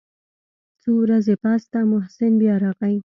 څو ورځې پس ته محسن بيا راغى.